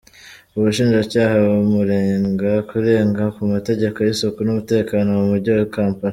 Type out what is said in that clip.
Ubushinjacyaha bumurega kurenga ku mategeko y’isuku n’umutekano mu mujyi wa Kampala.